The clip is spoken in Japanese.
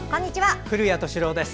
古谷敏郎です。